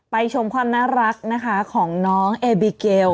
ชมความน่ารักนะคะของน้องเอบิเกล